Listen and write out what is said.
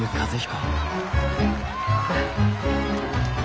和彦！